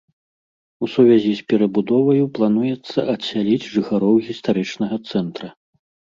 У сувязі з перабудоваю плануецца адсяліць жыхароў гістарычнага цэнтра.